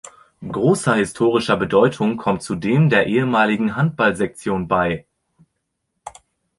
Großer historischer Bedeutung kommt zudem der ehemaligen Handball-Sektion bei.